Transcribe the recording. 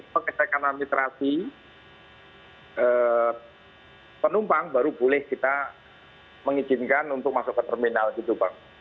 pengecekan administrasi penumpang baru boleh kita mengizinkan untuk masuk ke terminal gitu bang